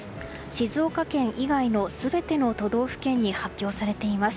静岡県以外の全ての都道府県に発表されています。